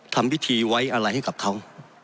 ทำพิธีไว้อะไรให้กับเขา